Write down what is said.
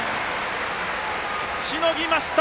しのぎました！